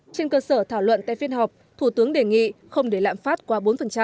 trên cơ sở thảo luận tại phiên họp thủ tướng đề nghị không để lạm phát qua bốn